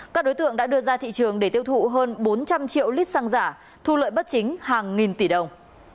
các đối tượng đã đưa ra thị trường để tiêu thụ hơn bốn trăm linh triệu lít xăng giả thu lợi bất chính hàng nghìn tỷ đồng